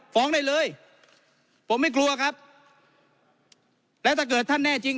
ฟ้องได้เลยผมไม่กลัวครับแล้วถ้าเกิดท่านแน่จริง